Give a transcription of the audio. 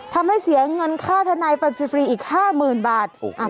ทำให้เสียเงินค่าทนายฟังศิษย์ฟรีอีกห้ามื่นบาทโอ้โห